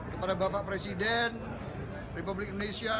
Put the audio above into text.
kepada bapak presiden republik indonesia